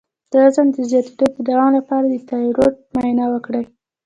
د وزن د زیاتیدو د دوام لپاره د تایرايډ معاینه وکړئ